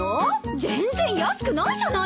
全然安くないじゃないの！